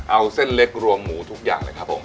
เอาเส้นเล็กรวมหมูทุกอย่างเลยครับผม